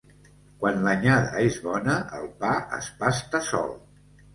Quan l'anyada és bona el pa es pasta sol.